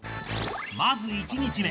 まず、１日目。